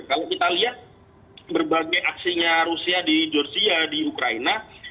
kalau kita lihat berbagai aksinya rusia di georgia di ukraina